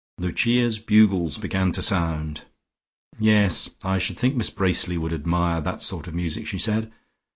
Lucia's bugles began to sound. "Yes, I should think Miss Bracely would admire that sort of music," she said.